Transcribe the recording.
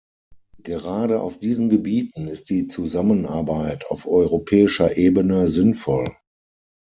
Gerade auf diesen Gebieten ist die Zusammenarbeit auf europäischer Ebene sinnvoll.